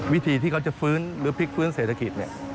วิธีที่เขาจะฟื้นหรือพลิกฟื้นเศรษฐกิจเนี่ย